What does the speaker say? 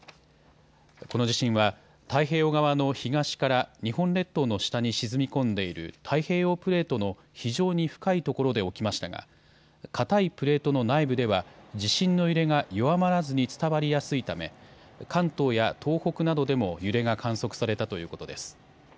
この地震は太平洋側の東から日本列島の下に沈み込んでいる太平洋プレートの非常に深いところで起きましたが堅いプレートの内部では地震の揺れが弱まらずに伝わりやすいため関東や東北などでも揺れが観測されたということです。